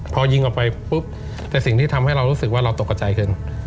พอยิงออกไปปุ๊บแต่สิ่งที่ทำให้เรารู้สึกว่าเราตกกระใจขึ้น